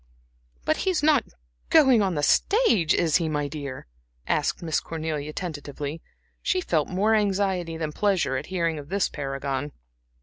"But he is not going on the stage, is he, my dear?" asked Miss Cornelia, tentatively. She felt more anxiety than pleasure at hearing of this paragon.